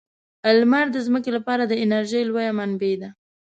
لمر د ځمکې لپاره د انرژۍ لویه منبع ده.